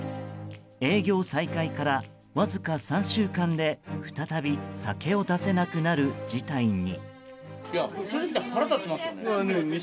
営業再開からわずか３週間で再び酒を出せなくなる事態に。